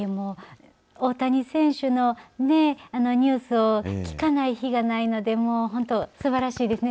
大谷選手のねニュースを聞かない日がないのでもう本当、すばらしいですね。